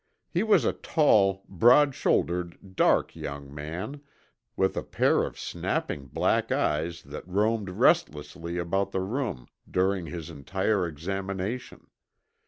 He was a tall, broad shouldered, dark, young man, with a pair of snapping black eyes that roamed restlessly about the room during his entire examination.